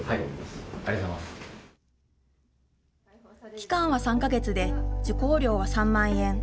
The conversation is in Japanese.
期間は３か月で、受講料は３万円。